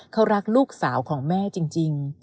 เขารักลูกสาวของแม่จริง